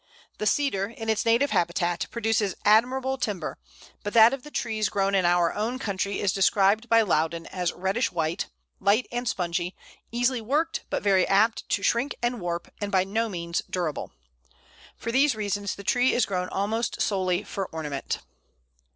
The Cedar, in its native habitat, produces admirable timber, but that of trees grown in our own country is described by Loudon as "reddish white, light and spongy, easily worked, but very apt to shrink and warp, and by no means durable." For these reasons the tree is grown almost solely for ornament.